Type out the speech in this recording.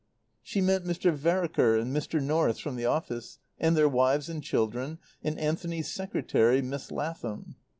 She meant Mr. Vereker and Mr. Norris from the office, and their wives and children, and Anthony's secretary, Miss Lathom.